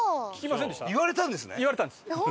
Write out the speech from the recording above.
言われたんです。